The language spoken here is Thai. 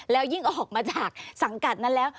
แล้วยิ่งออกมาจากสังกัดนั้นแล้ว